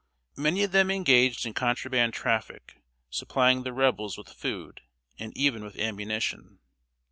] Many of them engaged in contraband traffic, supplying the Rebels with food, and even with ammunition.